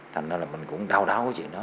thành ra là mình cũng đau đáo về chuyện đó